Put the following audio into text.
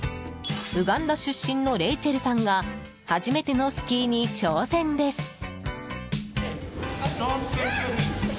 ウガンダ出身のレイチェルさんが初めてのスキーに挑戦です。